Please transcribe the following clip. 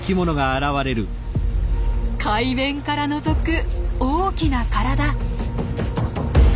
海面からのぞく大きな体！